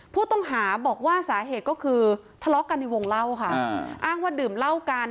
ผู้ต้องหาบอกว่าสาเหตุก็คือทะเลาะกันในวงเล่าค่ะอ้างว่าดื่มเหล้ากัน